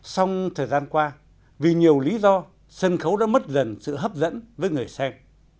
xong thời gian qua vì nhiều lý do sân khấu đã mất dần sự hấp dẫn với người xem